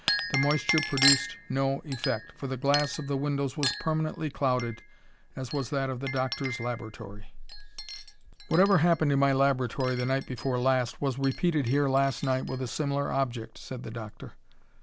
The moisture produced no effect, for the glass of the windows was permanently clouded as was that of the doctor's laboratory. "Whatever happened in my laboratory the night before last was repeated here last night with a similar object," said the doctor.